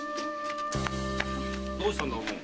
どうしたんだおぶん？